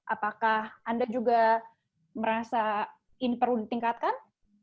apakah anda juga merasa ini perlu ditingkatkan